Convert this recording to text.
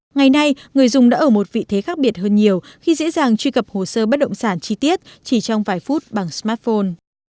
ngày nay người dùng đã ở một vị thế khác biệt hơn nhiều khi dễ dàng truy cập hồ sơ bất động sản chi tiết chỉ trong vài phút bằng smartphone